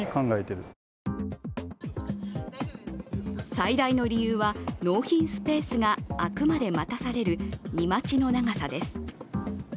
最大の理由は、納品スペースが空くまで待たされる荷待ちの長さです。